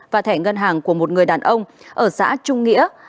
và thẻ ngân hàng của một người đàn ông ở xã trung nghĩa